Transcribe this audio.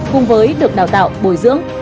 cùng với được đào tạo bồi dưỡng